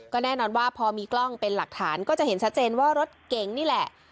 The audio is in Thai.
ก็แน่นอนว่าพอมีกล้องเป็นหลักฐานก็จะเห็นชัดเจนว่ารถเก๋งนี่แหละ